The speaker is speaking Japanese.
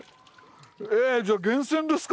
えじゃあ源泉ですか？